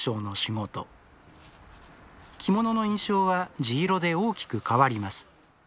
着物の印象は地色で大きく変わります。